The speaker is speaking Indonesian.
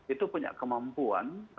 itu punya kemampuan